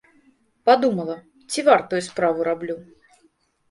Падумала, ці вартую справу раблю.